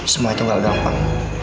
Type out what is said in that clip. semua itu gak gampang